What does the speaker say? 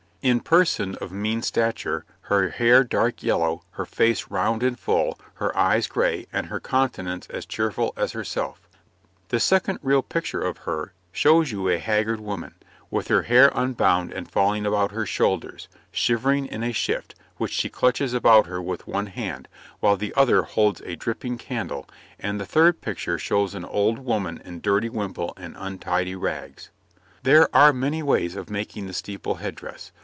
In person of mean stature, her hair dark yellow, her face round and full, her eyes gray, and her countenance as cheerful as herself. The second real picture of her shows you a haggard woman, with her hair unbound and falling about her shoulders, shivering in a shift, which she clutches about her with one hand, while the other holds a dripping candle; and the third picture shows an old woman in dirty wimple and untidy rags. [Illustration: {Six types of head dress for women}] There are many ways of making the steeple head dress.